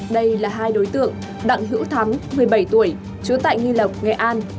đây là hai đối tượng đặng hữu thắng một mươi bảy tuổi chú tại nghi lộc nghệ an